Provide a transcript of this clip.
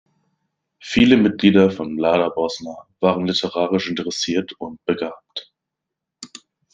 Viele Mitglieder von Mlada Bosna waren literarisch interessiert und begabt.